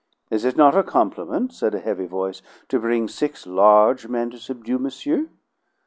"Is it not a compliment," said a heavy voice, "to bring six large men to subdue monsieur?"